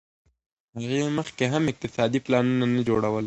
هغې مخکي هم اقتصادي پلانونه نه جوړول.